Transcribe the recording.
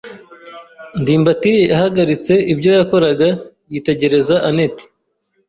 ndimbati yahagaritse ibyo yakoraga yitegereza anet.